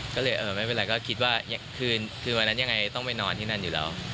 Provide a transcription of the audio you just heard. ก็เลยไม่เป็นไรก็คิดว่าคืนวันนั้นยังไงต้องไปนอนที่นั่นอยู่แล้ว